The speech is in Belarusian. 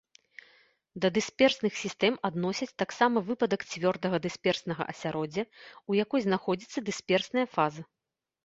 Да дысперсных сістэм адносяць таксама выпадак цвёрдага дысперснага асяроддзя, у якой знаходзіцца дысперсная фаза.